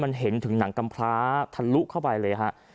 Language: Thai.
มันเห็นถึงหนังกำพร้าทะลุเข้าไปเลยฮะ